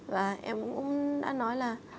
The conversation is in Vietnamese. và em cũng đã nói là